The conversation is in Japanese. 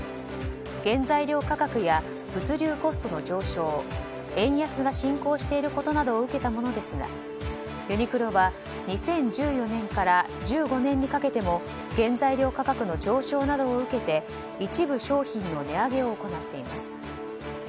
原材料価格や物流コストの上昇円安が進行していることを受けたことですがユニクロは２０１４年から１５年にかけても原材料価格の上昇などを受けて一部商品の値上げを行っています。